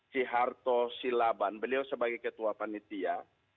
si harto si laban beliau sebagai ketua panitia